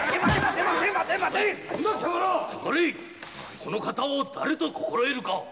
この方を誰と心得るか。